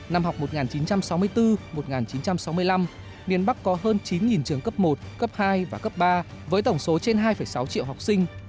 năm học một nghìn chín trăm sáu mươi bốn một nghìn chín trăm sáu mươi năm miền bắc có hơn chín trường cấp một cấp hai và cấp ba với tổng số trên hai sáu triệu học sinh